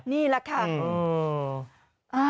นี่แหละค่ะ